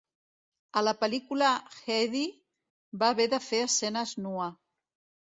A la pel·lícula Headey va haver de fer escenes nua.